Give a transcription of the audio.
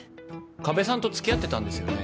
加部さんと付き合ってたんですよね？